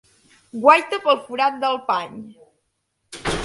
Guaita pel forat del pany.